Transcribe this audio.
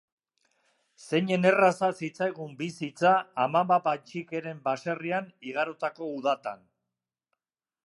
Zeinen erraza zitzaigun bizitza amama Pantxikeren baserrian igarotako udatan.